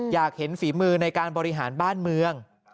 อยากเห็นฝีมือในการบริหารบ้านเมือง